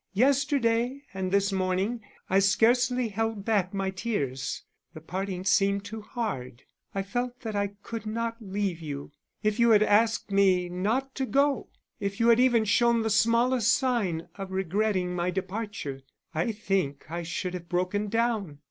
Yesterday and this morning I scarcely held back my tears; the parting seemed too hard, I felt I could not leave you. If you had asked me not to go, if you had even shown the smallest sign of regretting my departure, I think I should have broken down.